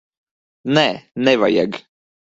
Nē, nevajag.